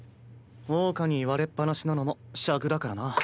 桜花に言われっぱなしなのもしゃくだからな。